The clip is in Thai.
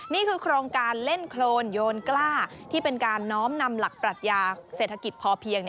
นี่คือโครงการเล่นโครนโยนกล้าที่เป็นการน้อมนำหลักปรัชญาเศรษฐกิจพอเพียง